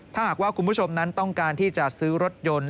ถ้าหากว่าคุณผู้ชมนั้นต้องการที่จะซื้อรถยนต์